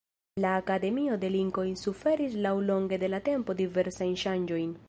La Akademio de Linkoj suferis laŭlonge de la tempo diversajn ŝanĝojn.